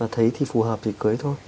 thấy thì phù hợp thì cưới thôi